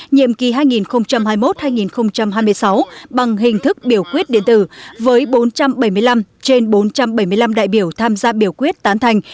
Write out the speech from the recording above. nhiệm kỳ hai nghìn hai mươi một hai nghìn hai mươi sáu bằng hình thức biểu quyết điện tử với bốn trăm bảy mươi năm trên bốn trăm bảy mươi năm đại biểu tham gia biểu quyết tán thành